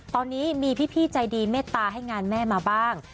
ตอนนี้มีพี่ใจดีเมตตาให้งานแม่มาบ้าง